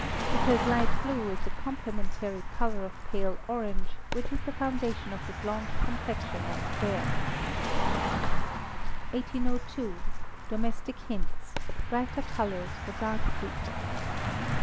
_ Because light blue is the complementary colour of pale orange, which is the foundation of the blonde complexion and hair. 1802. Domestic Hints (Brighter Colours for Dark People).